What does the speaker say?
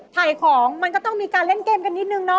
ถ่ายของมันก็ต้องมีการเล่นเกมกันนิดนึงเนาะ